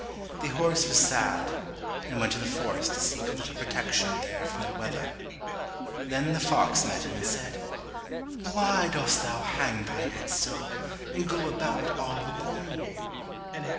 The horse was sad, and went to the forest to seek a little protection there from the weather. Then the fox met him and said, "Why dost thou hang thy head so, and go about all alone?"